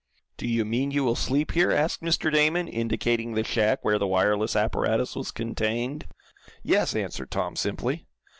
"Do you mean you will sleep here?" asked Mr. Damon, indicating the shack where the wireless apparatus was contained. "Yes," answered Tom, simply.